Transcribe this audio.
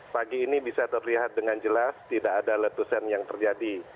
pagi ini bisa terlihat dengan jelas tidak ada letusan yang terjadi